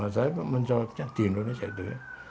saya menjawabnya di indonesia itu ya